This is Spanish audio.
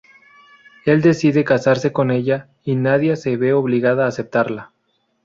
Él decide casarse con ella, y Nadia se ve obligada a aceptarla.